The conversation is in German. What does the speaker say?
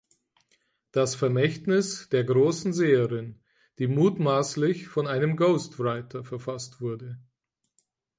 Das Vermächtnis der großen Seherin“, die mutmaßlich von einem Ghostwriter verfasst wurde.